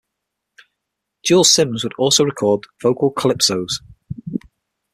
Jules Sims would also record vocal calypsos.